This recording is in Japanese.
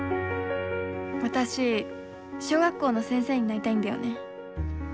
私小学校の先生になりたいんだよね。